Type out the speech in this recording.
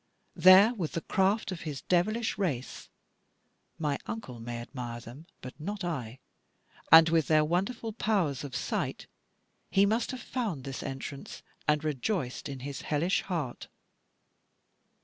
There with the craft of his devilish race my Uncle may admire them, but not I and with their wonderful powers of sight, he must have found this entrance, and rejoiced in his hellish heart.